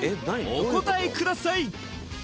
お答えください